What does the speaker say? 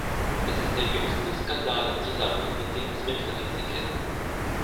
Es ist der jüngste Skandal im Zusammenhang mit Lebensmittelrisiken.